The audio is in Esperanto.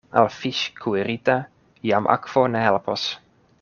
Al fiŝ' kuirita jam akvo ne helpos.